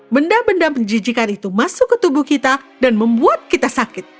benda benda penjijikan itu masuk ke tubuh kita dan membuat kita sakit